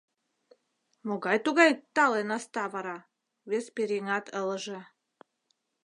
Могай-тугай тале наста вара? — вес пӧръеҥат ылыже.